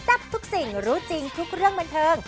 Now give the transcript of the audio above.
ทับทุกสิ่งรู้จริงทุกเรื่องบันเทิง